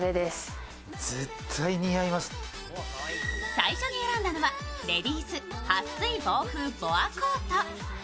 最初に選んだのはレディースはっ水防風ボアコート。